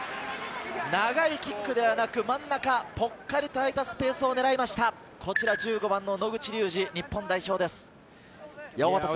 長いキックではなく、真ん中、ぽっかりと空いたスペースを狙いました、１５番の野口竜司、日本代表です。